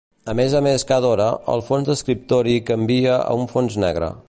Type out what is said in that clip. A més a més cada hora, el fons d'escriptori canvia a un fons negre.